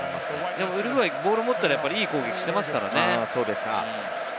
でもウルグアイはボールを持ったらいい攻撃をしていますからね。